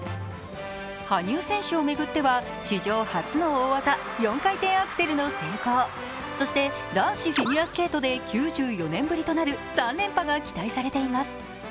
羽生選手を巡っては史上初の大技、４回転アクセルの成功、そして男子フィギュアスケートで９４年ぶりとなる３連覇が期待されています。